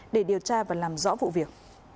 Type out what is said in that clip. để điều tra và làm rõ vụ việc